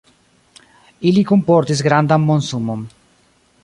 Ili kunportis grandan monsumon.